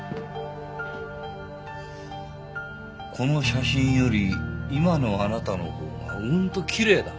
この写真より今のあなたのほうがうんときれいだ。